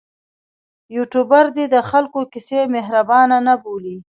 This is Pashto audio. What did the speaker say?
یوټوبر دې د خلکو کیسې مهرباني نه بولي.